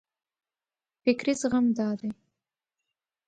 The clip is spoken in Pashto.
فکري زغم دا دی.